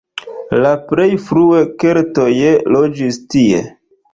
La plej frue keltoj loĝis tie.